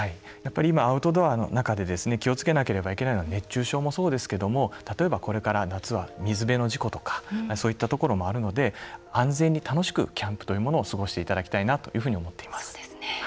今、アウトドアの中で気をつけなければいけないのは熱中症もそうですけども、例えばこれから夏は水辺の事故とかそういったところもあるので安全に楽しくキャンプを過ごしていただきたいなと思っています。